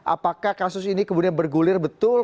apakah kasus ini kemudian bergulir betul